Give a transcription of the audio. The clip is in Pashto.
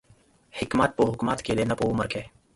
حکمت په حکمت کې دی، نه په عمر کې